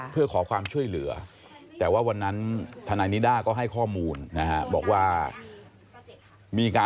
หวะว่าไม่ถึงไหวแอปทให่ทางนอกดีอ่ะอ่า